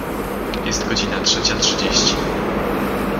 Jest godzina trzecia trzydzieści.